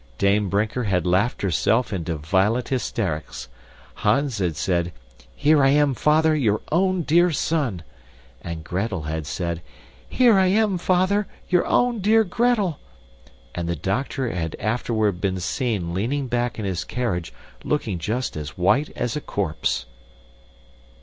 Dame Brinker had laughed herself into violent hysterics. Hans had said, "Here I am, Father, your own dear son!" And Gretel had said, "Here I am, Father, your own dear Gretel!" And the doctor had afterward been seen leaning back in his carriage looking just as white as a corpse.